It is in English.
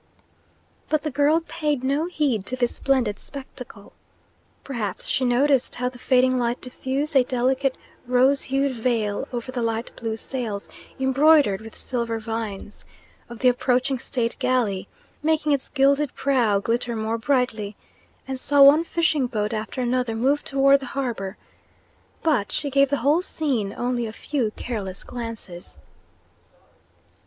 But the girl paid no heed to this splendid spectacle. Perhaps she noticed how the fading light diffused a delicate rose hued veil over the light blue sails, embroidered with silver vines, of the approaching state galley, making its gilded prow glitter more brightly, and saw one fishing boat after another move toward the harbour, but she gave the whole scene only a few careless glances.